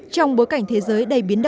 trong bối cảnh thế giới đầy biến đổi